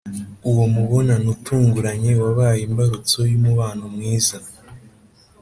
uwo mubonano utunguranye wabaye imbarutso y'umubano mwiza